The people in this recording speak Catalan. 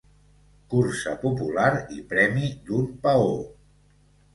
Cursa popular i premi d'un paó.